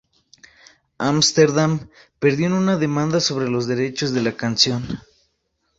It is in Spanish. Amsterdam perdió en una demanda sobre los derechos de la canción.